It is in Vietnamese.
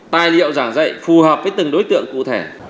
tài liệu giảng dạy phù hợp với từng đối tượng cụ thể